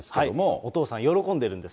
お父さん、喜んでるんです。